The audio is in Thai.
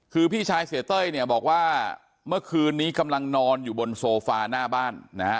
คือพี่ชายเสียเต้ยเนี่ยบอกว่าเมื่อคืนนี้กำลังนอนอยู่บนโซฟาหน้าบ้านนะฮะ